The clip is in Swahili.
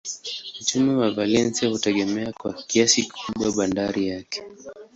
Uchumi wa Valencia hutegemea kwa kiasi kikubwa bandari yake.